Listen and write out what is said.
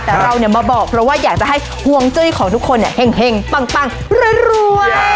แต่เรามาบอกเพราะว่าอยากจะให้ห่วงจุ้ยของทุกคนเนี่ยเห็งปังรวย